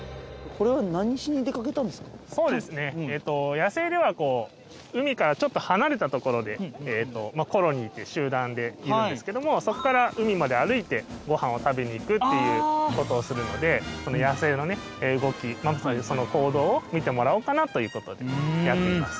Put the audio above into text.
野生では海からちょっと離れた所でコロニーっていう集団でいるんですけどもそこから海まで歩いてご飯を食べに行くっていうことをするので野生のね動きその行動を見てもらおうかなということでやっています。